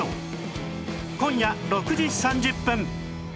今夜６時３０分！